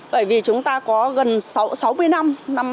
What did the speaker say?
bởi vì chúng ta có gần sáu mươi năm